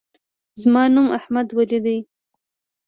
زما نوم احمدولي دی.